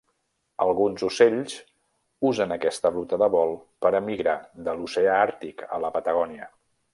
Alguns ocells usen aquesta ruta de vol per a migrar de l'Oceà Àrtic a la Patagònia.